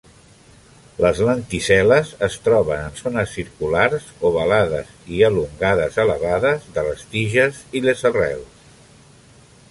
Les lenticel·les es troben en zones circulars, ovalades i elongades elevades de les tiges i les arrels.